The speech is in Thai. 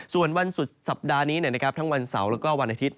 ส่วนวันสุดสัปดาห์นี้ทั้งวันเสาร์แล้วก็วันอาทิตย